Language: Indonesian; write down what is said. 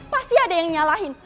pasti ada yang nyalahin